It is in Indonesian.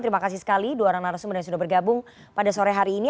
terima kasih sekali dua orang narasumber yang sudah bergabung pada sore hari ini